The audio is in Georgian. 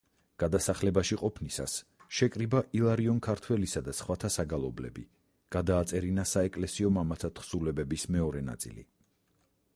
გადასახლებაში ყოფნისას შეკრიბა ილარიონ ქართველისა და სხვათა საგალობლები, გადააწერინა საეკლესიო მამათა თხზულებების მეორე ნაწილი.